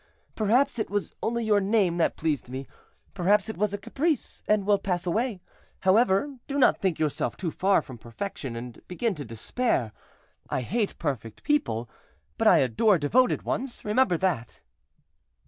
"Perhaps it was only your name that pleased me; perhaps it is a caprice, and will pass away. However, do not think yourself too far from perfection, and begin to despair. I hate perfect people, but I adore devoted ones; remember that."